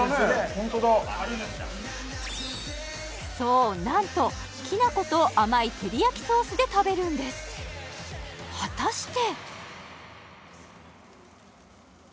ホントだそうなんときなこと甘いテリヤキソースで食べるんです果たして？